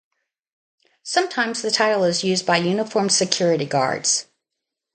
Sometimes the title is used by uniformed security guards.